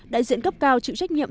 đại diện cấp cao chịu trách nhiệm